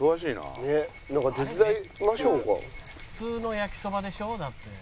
「普通の焼きそばでしょ？だって」